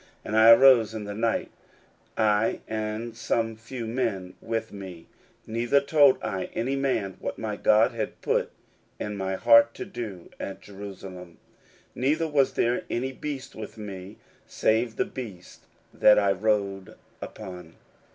16:002:012 And I arose in the night, I and some few men with me; neither told I any man what my God had put in my heart to do at Jerusalem: neither was there any beast with me, save the beast that I rode upon.